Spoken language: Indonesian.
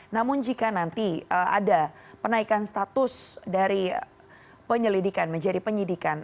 namun jika nanti ada penaikan status dari penyelidikan menjadi penyidikan